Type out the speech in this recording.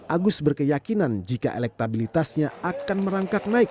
agus berkeyakinan jika elektabilitasnya akan merangkak naik